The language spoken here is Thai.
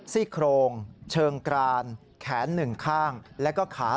ซี่โครงเชิงกรานแขนหนึ่งข้างแล้วก็ขา